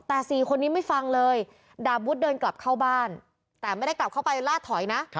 แต่๔คนนี้ไม่ฟังเลยดาบวุฒิเดินกลับเข้าบ้านแต่ไม่ได้กลับเข้าไปลาดถอยนะ